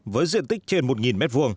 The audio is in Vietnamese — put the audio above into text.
với diện tích trên một m hai